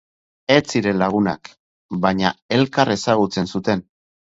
Ez ziren lagunak, baina elkar ezagutzen zuten.